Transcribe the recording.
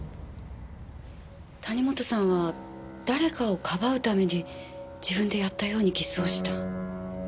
谷本さんは誰かをかばうために自分でやったように偽装した。